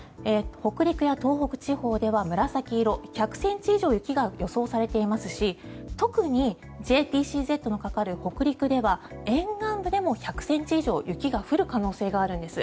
北陸や東北地方では紫色１００ｃｍ以上の雪が予想されていますし特にＪＰＣＺのかかる北陸では沿岸部でも１００ｃｍ以上雪が降る可能性があるんです。